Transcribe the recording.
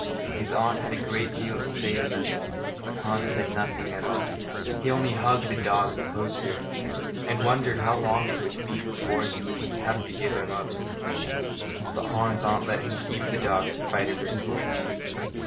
His aunt had a great deal to say to them, but Hans said nothing at all. He only hugged the dog the closer, and wondered how long it would be before he would have to give him up. But Hans's aunt let him keep the dog in spite of her scolding.